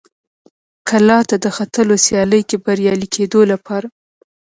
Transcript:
کلا ته د ختلو سیالۍ کې بریالي کېدو لپاره.